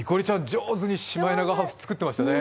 上手にシマエナガハウス作ってましたね。